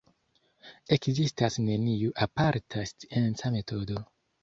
Ekzistas neniu aparta scienca metodo.